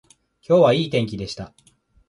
今日はいい天気でした